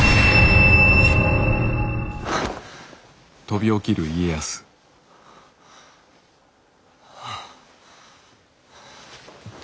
はっ。はあ。